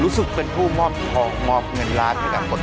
รู้สึกเป็นผู้มอบผลมอบเงินราชในกำบัดนี้